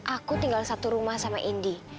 aku tinggal satu rumah sama indi